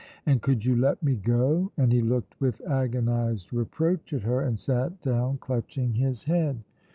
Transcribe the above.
And could you let me go?" And he looked with agonized reproach at her, and sat down, clutching his head.